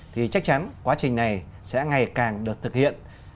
thì chắc chắn quá trình này sẽ ngày càng được thực hiện